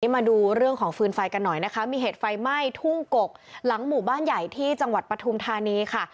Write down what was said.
มาดูเรื่องของฟืนไฟกันหน่อยนะคะมีเหตุไฟไหม้ทุ่งกกหลังหมู่บ้านใหญ่ที่จังหวัดปฐุมธานีค่ะ